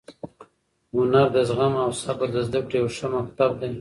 هنر د زغم او صبر د زده کړې یو ښه مکتب دی.